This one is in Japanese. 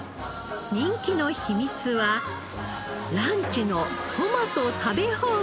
人気の秘密はランチのトマト食べ放題。